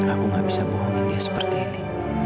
aku gak bisa bohongin dia seperti itu